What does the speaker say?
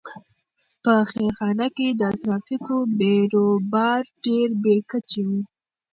په خیرخانه کې د ترافیکو بېروبار ډېر بې کچې و.